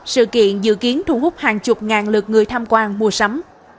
sự kiện dự kiến thu hút hàng chục ngàn lượt người tham quan mua sắm